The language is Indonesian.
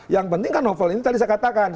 yang penting kan novel ini tadi saya katakan